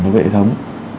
với vệ thống